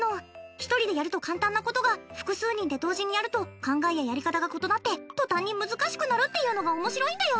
１人でやると簡単なことが複数人で同時にやると考えややり方が異なって途端に難しくなるっていうのが面白いんだよ。